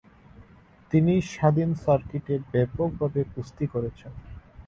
তিনি স্বাধীন সার্কিটে ব্যাপকভাবে কুস্তি করেছেন।